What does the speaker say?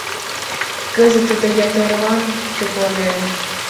Кызыт тудо ятырлан тыпланен.